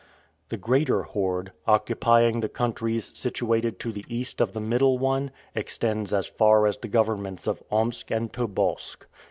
The greater horde, occupying the countries situated to the east of the middle one, extends as far as the governments of Omsk and Tobolsk.